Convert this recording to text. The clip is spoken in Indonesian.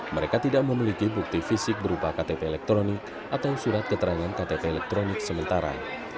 mereka tidak memiliki bukti fisik berupa ktp elektronik atau surat keterangan ktp elektronik sementara